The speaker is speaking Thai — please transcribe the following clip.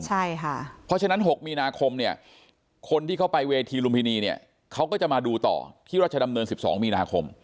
เพราะฉะนั้น๖มีนาคมเนี่ยคนที่เข้าไปเวทีลุมพินีเนี่ยเขาก็จะมาดูต่อที่รัชดำเนิน๑๒มีนาคม